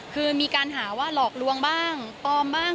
คือมีการหาว่าหลอกลวงบ้างปลอมบ้าง